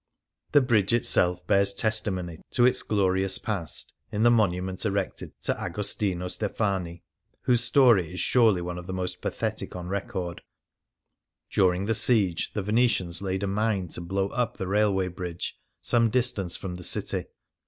The bridge itself bears testimony to its glo rious past in the monument erected to Agostino Stefani, whose story is surely one of the most 99 Things Seen in Venice pathetic on record. During the siege the Venetians laid a mine to blow up the railway bridge, some distance from the city.